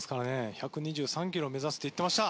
１２３キロを目指すって言ってました。